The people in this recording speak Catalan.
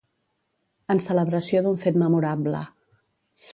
En celebració d'un fet memorable.